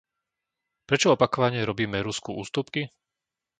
Prečo opakovane robíme Rusku ústupky?